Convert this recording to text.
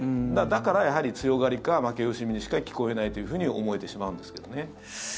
だから、やはり強がりか負け惜しみにしか聞こえないというふうに思えてしまうんですけどね。